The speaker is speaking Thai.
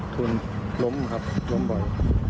ชนล้มครับล้มบ่อย